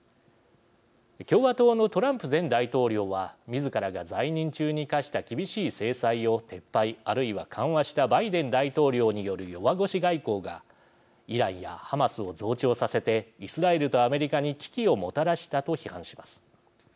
共和党のトランプ前大統領はみずからが在任中に科した厳しい制裁を撤廃あるいは緩和したバイデン大統領による弱腰外交がイランやハマスを増長させてイスラエルとアメリカに危機をもたらしたと批判します。